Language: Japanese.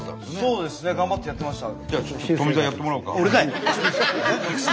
そうですね頑張ってやってました。